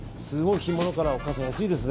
干物から、お母さん、安いですね。